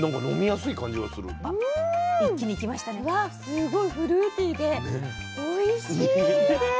すごいフルーティーでおいしいです。